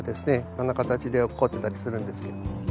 こんな形で落っこちてたりするんです。